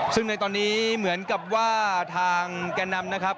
ซึ่งในตอนนี้เหมือนกับว่าทางแก่นำนะครับ